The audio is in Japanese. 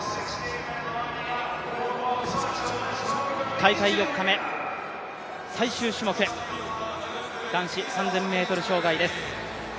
大会４日目、最終種目、男子３０００ｍ障害です。